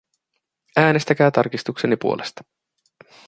Äänestäkää tarkistukseni puolesta.